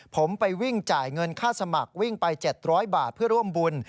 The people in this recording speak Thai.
ผมไปวิ่งจ่ายเงินค่าสมัครวิ่งไป๗๐๐บาทเพื่อร่วมบุญ